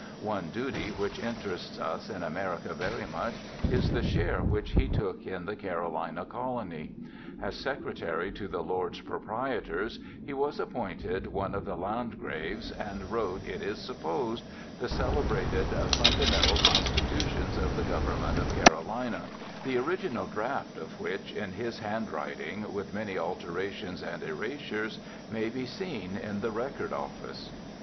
One duty which interests us in America very much is the share which he took in the Carolina colony. As secretary to the Lords Proprietors he was appointed one of the Land graves and wrote, it is supposed, the celebrated Ftinda mental Constitutions of the Government of Carolina, the original draft of which, in his handwriting, with many alterations and erasures, may be seen in the Record Office.